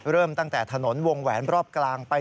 เริ่มตั้งแต่ถนนวงแหวนรอบกลางไป